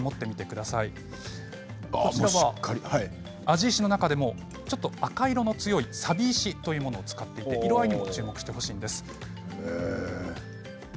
庵治石の中でも赤色の強い、さび石というものを使っていて色合いにも注目してほしいです。